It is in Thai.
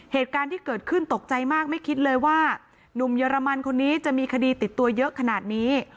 เหตุการณ์ที่เกิดขึ้นตกใจมากไม่คิดเลยว่าหนุ่มเยอรมันคนนี้จะมีคดีติดตัวเยอะขนาดนี้